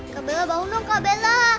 kak bella bangun dong kak bella